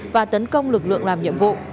và tấn công lực lượng làm nhiệm vụ